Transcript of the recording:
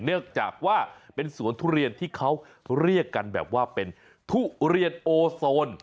เนื่องจากว่าเป็นสวนทุเรียนที่เขาเรียกกันแบบว่าเป็นทุเรียนโอโซน